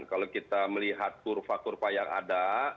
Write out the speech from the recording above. kalau kita melihat kurva kurva yang ada